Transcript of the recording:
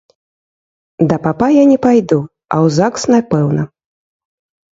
Да папа я не пайду, а ў загс напэўна.